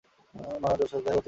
মারান তোর সাথে দেখা করতে চাই।